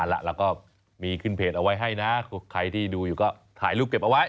แล้วก็มีขึ้นเพจเอาไว้ให้นะใครที่ดูอยู่ก็ถ่ายรูปเก็บเอาไว้